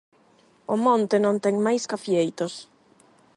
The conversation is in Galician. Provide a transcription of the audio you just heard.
O monte non ten máis ca fieitos.